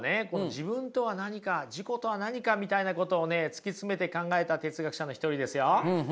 自分とは何か自己とは何かみたいなことを突き詰めて考えた哲学者の一人ですよ。